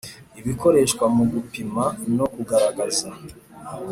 bikoreshwa mu gupima no kugaragaza